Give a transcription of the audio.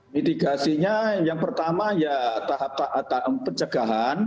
mitigasinya yang pertama ya tahap tahap pencegahan